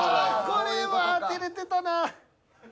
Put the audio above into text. これは当てれてたな。